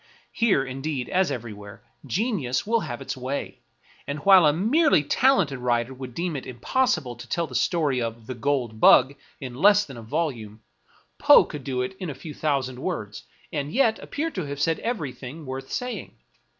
Here, indeed, as everywhere, genius will have its way ; and while a merely talented writer would deem it impossible to tell the story of " The Gold Bug " in less than a volume, i6 Julian Hazvfhorne Poe could do it in a few thousand words, and yet appear to have said everything worth saying.